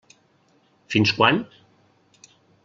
Fins quan?